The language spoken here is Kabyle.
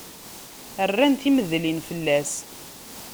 Rran timedlin fell-as.